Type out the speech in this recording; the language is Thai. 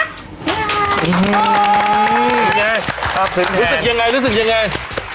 รู้สึกยังไงรู้สึกยังไงรู้สึกยังไง